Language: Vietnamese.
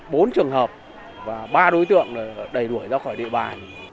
bốn trường hợp và ba đối tượng đẩy đuổi ra khỏi địa bàn